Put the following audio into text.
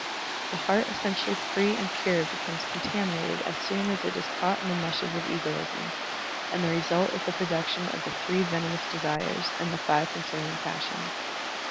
The heart essen tially free and pure becomes contaminated as soon as it is caught in the meshes of egoism, and the result is the production of the three venomous desires* and the five consuming pas sions.'